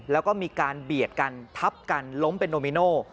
แล้วก็มีการเบียดกันทับกันล้มเป็นโนมิโน